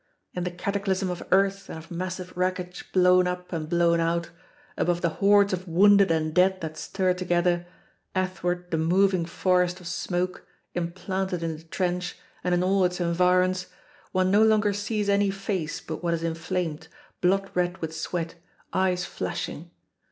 In the cataclysm of earth and of massive wreckage blown up and blown out, above the hordes of wounded and dead that stir together, athwart the moving forest of smoke implanted in the trench and in all its environs, one no longer sees any face but what is inflamed, blood red with sweat, eyes flashing.